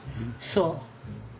そう。